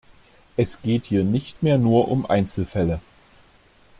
Es geht hier nicht mehr nur um Einzelfälle.